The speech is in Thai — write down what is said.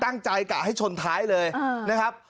ตั้งใจกะให้ชนท้ายเลยนะครับ